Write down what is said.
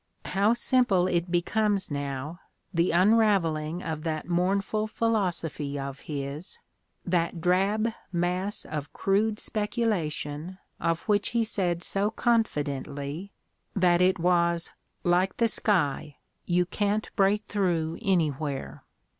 How simple it becomes now, the unraveling of that mournful philosophy of his, that drab mass of crude speculation of which he said so confidently that it was "like the sky — ^you can't break through anywhere."